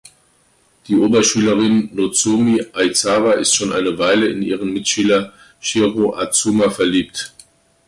Die Oberschülerin Nozomi Aizawa ist schon eine Weile in ihren Mitschüler Shiro Azuma verliebt.